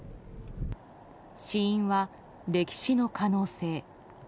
死因は溺死の可能性。